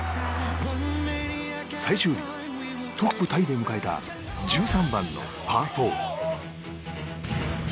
最終日、トップタイで迎えた１３番のパー４。